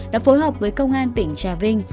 đã phối hợp với công an tỉnh trà vinh